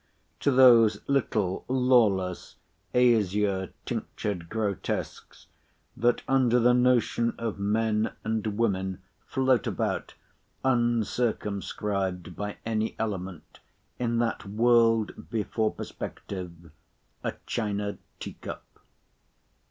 —to those little, lawless, azure tinctured grotesques, that under the notion of men and women, float about, uncircumscribed by any element, in that world before perspective—a china tea cup.